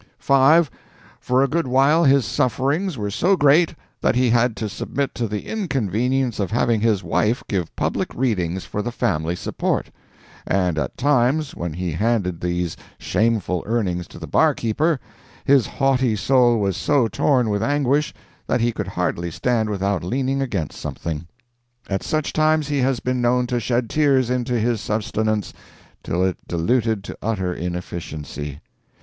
"5. For a good while his sufferings were so great that he had to submit to the inconvenience of having his wife give public readings for the family support; and at times, when he handed these shameful earnings to the barkeeper, his haughty soul was so torn with anguish that he could hardly stand without leaning against something. At such times he has been known to shed tears into his sustenance till it diluted to utter inefficiency.